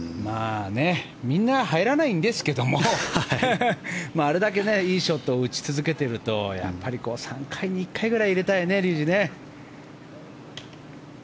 みんな入らないんですけどもあれだけいいショットを打ち続けてるとやっぱり３回に１回ぐらい入れたいよね、竜二ね。